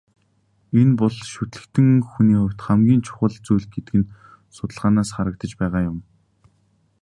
Энэ бол шүтлэгтэн хүний хувьд хамгийн чухал зүйл гэдэг нь судалгаанаас харагдаж байгаа юм.